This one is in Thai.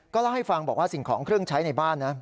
เล่าให้ฟังบอกว่าสิ่งของเครื่องใช้ในบ้านนะ